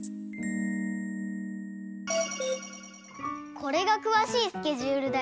これがくわしいスケジュールだよ。